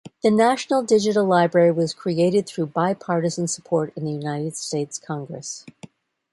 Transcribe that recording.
The National Digital Library was created through bipartisan support in the United States Congress.